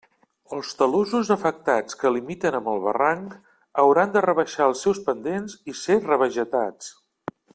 Els talussos afectats que limiten amb el barranc hauran de rebaixar els seus pendents i ser revegetats.